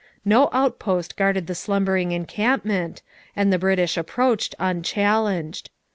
No outpost guarded the slumbering encampment, and the British approached unchallenged.